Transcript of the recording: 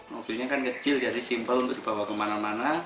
mobilnya kan kecil jadi simple untuk dibawa kemana mana